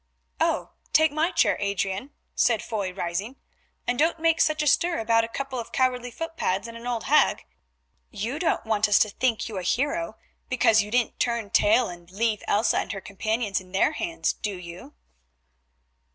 "Oh! take my chair, Adrian," said Foy rising, "and don't make such a stir about a couple of cowardly footpads and an old hag. You don't want us to think you a hero because you didn't turn tail and leave Elsa and her companions in their hands, do you?"